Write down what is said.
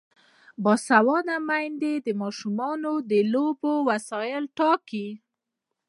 باسواده میندې د ماشومانو د لوبو وسایل ټاکي.